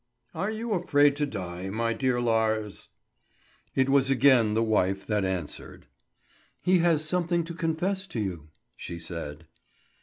"Are you afraid to die, my dear Lars?" It was again the wife that answered. "He has something to confess to you," she said.